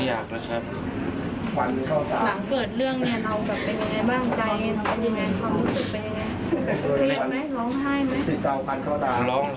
ไม่อยากแหละครับหลังเกิดเรื่องเนี้ยเราแบบเป็นยังไงบ้างใจ